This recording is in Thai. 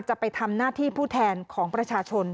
จะไปทำหน้าที่ผู้แทนของประชาชน